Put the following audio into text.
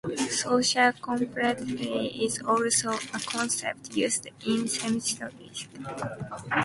Social complexity is also a concept used in semiotics.